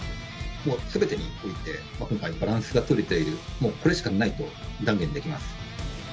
すべてにおいて、今回バランスが取れている、もうこれしかないと断言できます。